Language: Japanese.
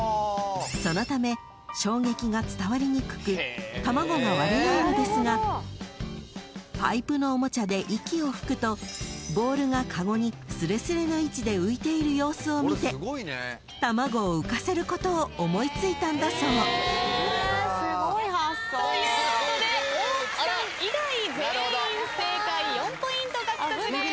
［そのため衝撃が伝わりにくく卵が割れないのですがパイプのおもちゃで息を吹くとボールが籠にすれすれな位置で浮いている様子を見て卵を浮かせることを思い付いたんだそう］ということで大木さん以外全員正解４ポイント獲得です。